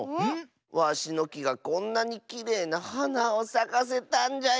わしのきがこんなにきれいなはなをさかせたんじゃよ！